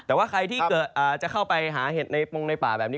แต่ว่าใครที่จะเข้าไปหาเห็ดในปงในป่าแบบนี้